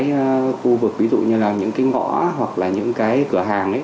cái khu vực ví dụ như là những cái ngõ hoặc là những cái cửa hàng ấy